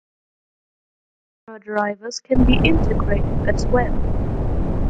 Extra drivers can be integrated as well.